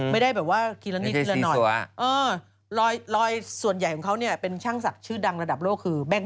ไม่ได้แบบว่าทีละนิดทีละหน่อยรอยส่วนใหญ่ของเขาเนี่ยเป็นช่างศักดิ์ชื่อดังระดับโลกคือ